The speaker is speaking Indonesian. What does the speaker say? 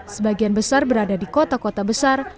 sebagian besar berada di kota kota besar